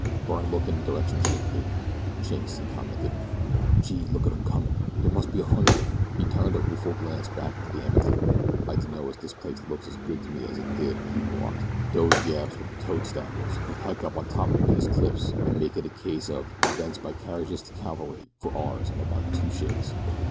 Byrne looked in the direction she indicated. "Chinks," he commented. "Gee! Look at 'em comin'. Dere must be a hundred of 'em." He turned a rueful glance back into the amphitheater. "I dunno as dis place looks as good to me as it did," he remarked. "Dose yaps wid de toad stabbers could hike up on top o' dese cliffs an' make it a case o' 'thence by carriages to Calvary' for ours in about two shakes."